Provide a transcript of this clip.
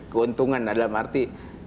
keuntungan dalam arti